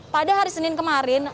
pada hari senin kemarin